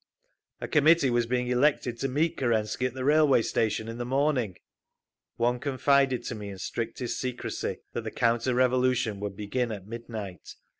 A committee was being elected to meet Kerensky at the railway station in the morning…. One confided to me, in strictest secrecy, that the counter revolution would begin at midnight.